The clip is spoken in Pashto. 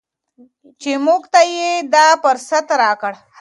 چې موږ ته یې دا فرصت راکړ.